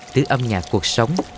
tứ âm nhạc cuộc sống